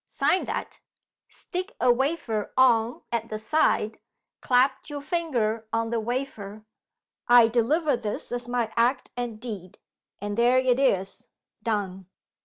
Sign that; stick a wafer on at the side; clap your finger on the wafer; 'I deliver this as my act and deed;' and there it is done!"